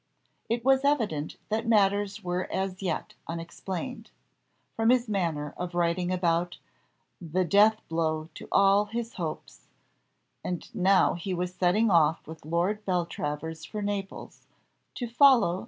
It was evident that matters were as yet unexplained, from his manner of writing about "the death blow to all his hopes," and now he was setting off with Lord Beltravers for Naples, to follow M.